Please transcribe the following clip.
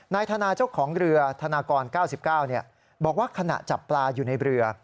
นายธนาเจ้าของเรือธนากร๙๙บอกว่าขณะจับปลาอยู่ในเรือ